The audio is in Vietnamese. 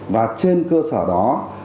và trên cơ sở đó